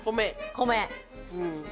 米。